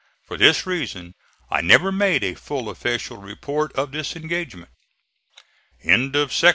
For this reason I never made a full official report of this engagement. CHAPTER XXVI.